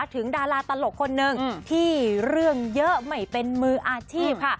ดาราตลกคนนึงที่เรื่องเยอะไม่เป็นมืออาชีพค่ะ